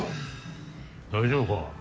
大丈夫か？